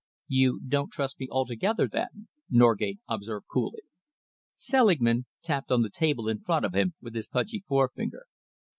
"You don't trust me altogether, then?" Norgate observed coolly. Selingman tapped on the table in front of him with his pudgy forefinger.